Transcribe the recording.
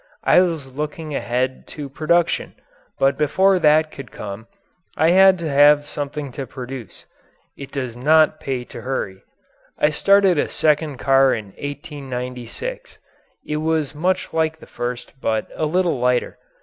I was looking ahead to production, but before that could come I had to have something to produce. It does not pay to hurry. I started a second car in 1896; it was much like the first but a little lighter.